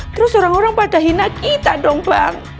terus orang orang pada hina kita dong bang